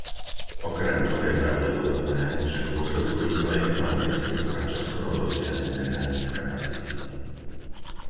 Okrem toho je pravdepodobné, že v dôsledku rýchlej expanzie sektora čoskoro dosiahneme hranice kapacity.